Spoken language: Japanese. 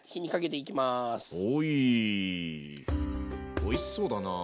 おいしそうだなあ。